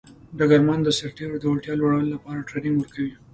ډګرمن د سرتیرو د وړتیا لوړولو لپاره ټرینینګ ورکوي.